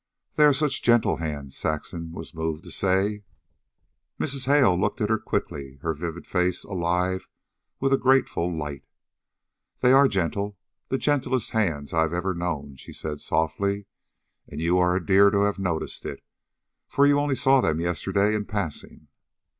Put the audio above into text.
"They are such gentle hands," Saxon was moved to say. Mrs. Hale looked at her quickly, her vivid face alive with a grateful light. "They are gentle, the gentlest hands I have ever known," she said softly. "And you are a dear to have noticed it, for you only saw them yesterday in passing."